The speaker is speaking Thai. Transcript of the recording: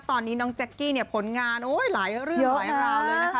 ตอนนี้น้องแจ๊กกี้เนี่ยผลงานหลายเรื่องหลายราวเลยนะคะ